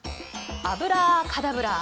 アブラ・カダブラ。